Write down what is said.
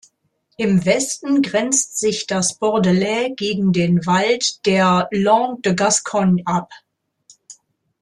Im Westen grenzt sich das Bordelais gegen den Wald der "Landes de Gascogne" ab.